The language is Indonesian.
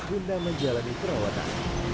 hingga menjalani perawatan